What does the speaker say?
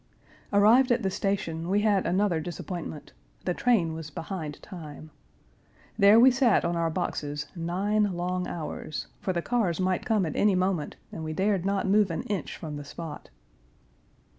Arrived at the station, we had another disappointment; the train was behind time. There we sat on our boxes nine long hours; for the cars might come at any moment, and we dared not move an inch from the spot.